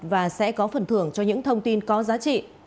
và sẽ có phần thưởng cho những thông tin có giá trị